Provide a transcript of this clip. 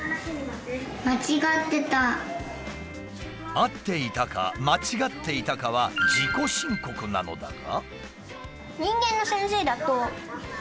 合っていたか間違っていたかは自己申告なのだが。